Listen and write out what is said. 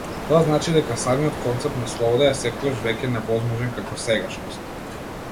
Тоа значи дека самиот концепт на слобода е секогаш веќе невозможен како сегашност.